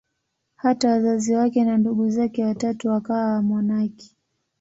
Hata wazazi wake na ndugu zake watatu wakawa wamonaki.